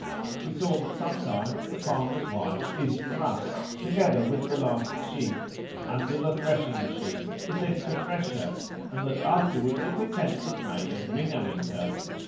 We saw that sometimes the farmer's wife is thrust, together with the last sheaf, under the threshing machine, as if to thresh her, and that afterwards a pretence is made of winnowing her.